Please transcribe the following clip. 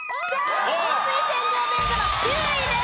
温水洗浄便座は９位です。